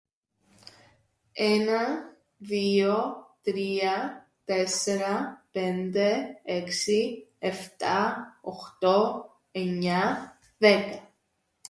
Ένα δύο τρία τέσσερα πέντε έξι εφτά οχτώ εννιά δέκα